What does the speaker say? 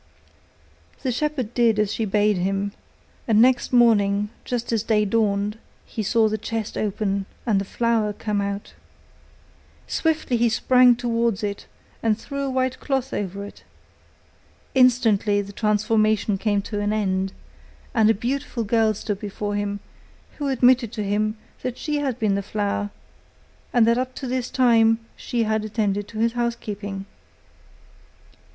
The shepherd did as she bade him, and next morning just as day dawned, he saw the chest open, and the flower come out. Swiftly he sprang towards it, and threw a white cloth over it. Instantly the transformation came to an end, and a beautiful girl stood before him, who admitted to him that she had been the flower, and that up to this time she had attended to his house keeping.